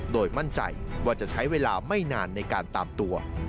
โดยมั่นใจว่าจะใช้เวลาไม่นานในการตามตัว